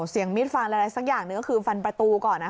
เสียงมีดฟันอะไรสักอย่างก็คือฟันประตูก่อนนะคะ